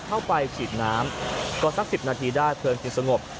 เข้าไปฉีดน้ำก็สัก๑๐นาทีได้เพลิงจึงสงบ